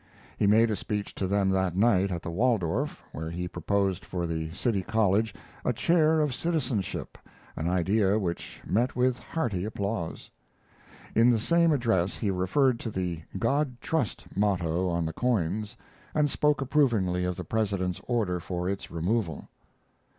He made a speech to them that night at the Waldorf where he proposed for the City College a chair of citizenship, an idea which met with hearty applause. In the same address he referred to the "God Trust" motto on the coins, and spoke approvingly of the President's order for its removal.